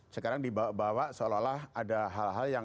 sekarang dibawa bawa seolah olah ada hal hal yang